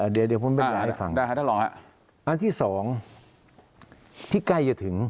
เดี๋ยวผมไปละให้ฟังอันที่สองที่ใกล้จะถึง